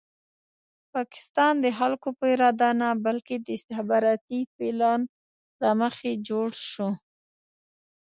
پاکستان د خلکو په اراده نه بلکې د استخباراتي پلان له مخې جوړ شو.